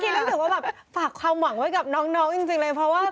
รู้สึกว่าแบบฝากความหวังไว้กับน้องจริงเลยเพราะว่า